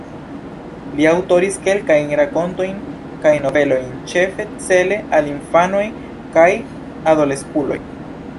Li aŭtoris kelkajn rakontojn kaj novelojn, ĉefe cele al infanoj kaj adoleskuloj.